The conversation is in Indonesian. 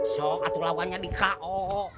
sok atuh lawanya di ko